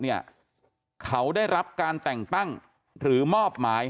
เนี่ยเขาได้รับการแต่งตั้งหรือมอบหมาย